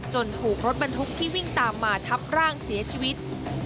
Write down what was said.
ถูกรถบรรทุกที่วิ่งตามมาทับร่างเสียชีวิต